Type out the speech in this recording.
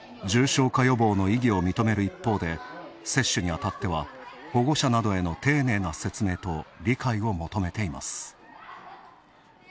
重症化予防の意義を認める一方で、接種にあたっては保護者などへの丁寧な説明と理解を求めています。